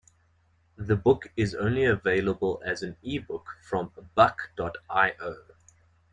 The book is only available as an ebook from Buk dot io.